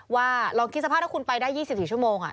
ลองคิดสภาพถ้าคุณไปได้๒๔ชั่วโมง